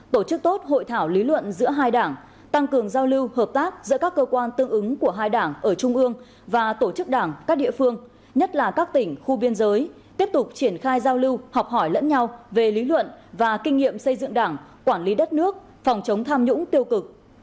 tổ chức tốt hội thảo lý luận giữa hai đảng tăng cường giao lưu hợp tác giữa các cơ quan tương ứng của hai đảng ở trung ương và tổ chức đảng các địa phương nhất là các tỉnh khu biên giới tiếp tục triển khai giao lưu học hỏi lẫn nhau về lý luận và kinh nghiệm xây dựng đảng quản lý đất nước phòng chống tham nhũng tiêu cực